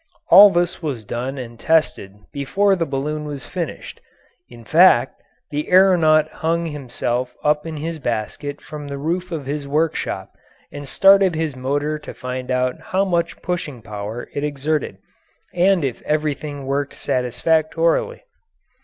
All this was done and tested before the balloon was finished in fact, the aeronaut hung himself up in his basket from the roof of his workshop and started his motor to find out how much pushing power it exerted and if everything worked satisfactorily.